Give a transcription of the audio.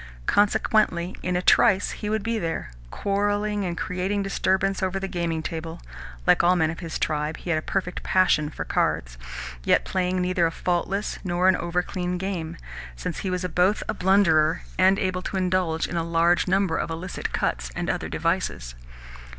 Consequently in a trice he would be there quarrelling, and creating disturbances over the gaming table (like all men of his type, he had a perfect passion for cards) yet playing neither a faultless nor an over clean game, since he was both a blunderer and able to indulge in a large number of illicit cuts and other devices.